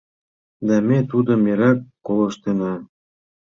«Да ме тудым эреак колыштына?»